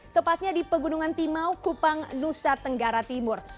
tepatnya di pegunungan timau kupang nusa tenggara timur